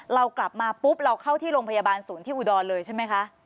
เรากลับมาปุ๊บเราเข้าที่โรงพยาบาลศูนย์ที่อุดรเลยใช่ไหมคะ